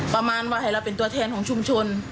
ประมาณว่าให้เราเป็นตัวแทนของชุมชน